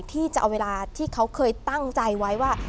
ที่จะเอาเวลาที่เขาเคยตั้งใจไว้ว่า